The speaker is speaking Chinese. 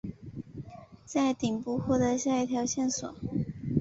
在顶部获得下一条线索。